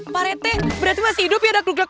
parete berarti masih hidup ya